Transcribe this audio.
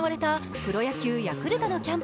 プロ野球・ヤクルトのキャンプ。